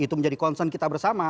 itu menjadi concern kita bersama